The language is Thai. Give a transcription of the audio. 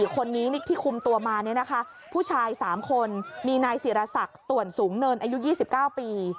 ๔คนนี้ที่คุมตัวมาเนี่ยนะคะผู้ชาย๓คนมีนายสิรษะต่วนสูงเนินอายุ๒๙ปี